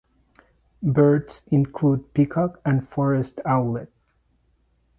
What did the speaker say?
Birds include peacock and forest owlet.